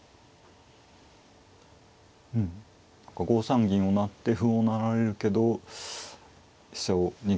５三銀を成って歩を成られるけど飛車を逃げては。